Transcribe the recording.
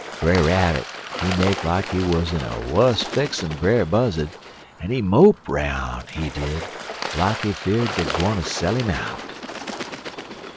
Brer Rabbit, he make like he in a wuss fix'n Brer Buzzard, en he mope 'roun', he did, like he fear'd dey gwineter sell 'im out.